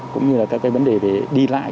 cũng như là các vấn đề về đi lại